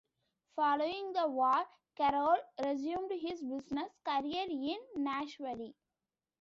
Following the war, Carroll resumed his business career in Nashville.